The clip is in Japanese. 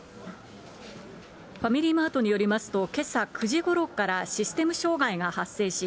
ファミリーマートによりますと、けさ９時ごろからシステム障害が発生し、